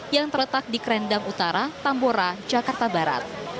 yang terletak di krendam utara tambora jakarta barat